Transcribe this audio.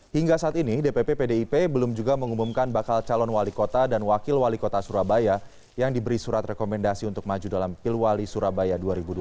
hingga saat ini dpp pdip belum juga mengumumkan bakal calon wali kota dan wakil wali kota surabaya yang diberi surat rekomendasi untuk maju dalam pilwali surabaya dua ribu dua puluh